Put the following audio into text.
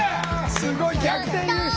すごい逆転優勝。